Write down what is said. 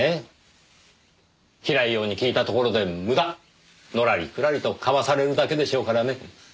平井陽に聞いたところで無駄のらりくらりとかわされるだけでしょうからね。